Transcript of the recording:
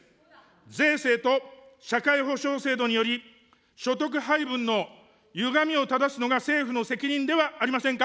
税制と社会保障制度により、所得配分のゆがみをただすのが政府の責任ではありませんか。